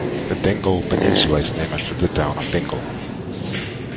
The Dingle Peninsula is named after the town of Dingle.